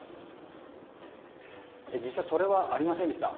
実際、それはありませんでした。